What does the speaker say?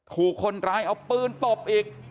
ถูกคนร้ายเอาปืนตบอีก